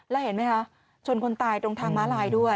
แล้วเห็นไหมคะชนคนตายตรงทางม้าลายด้วย